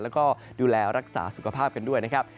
แล้วก็ดูแลรักษาสุขภาพกันด้วยนะครับ